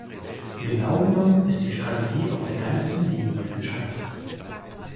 Genau genommen ist die Strategie auf der ganzen Linie gescheitert.